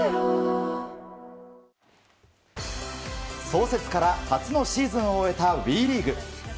創設から初のシーズンを終えたＷＥリーグ。